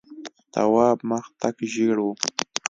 تواب مخ تک ژېړ و.